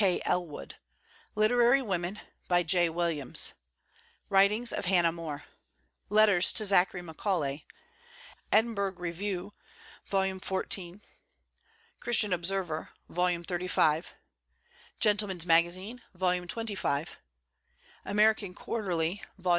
K. Elwood; Literary Women, by J. Williams; Writings of Hannah More; Letters to Zachary Macaulay; Edinburgh Review, vol. xiv.; Christian Observer, vol. xxxv.; Gentleman's Magazine, vol. xxv.; American Quarterly, vol.